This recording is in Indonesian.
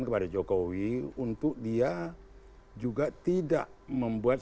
kepada jokowi untuk dia juga tidak membuat